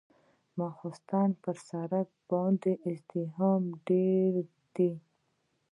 ماخستن به پر سړک باندې ازدحام ډېرېده.